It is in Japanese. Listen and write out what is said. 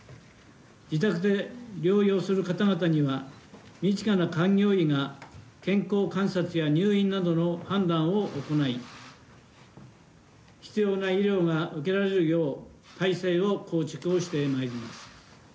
自宅で療養する方々には、身近な開業医が、健康観察や入院などの判断を行い、必要な医療が受けられるよう、体制を構築をしてまいります。